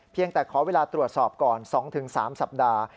แต่ขอเวลาตรวจสอบก่อน๒๓สัปดาห์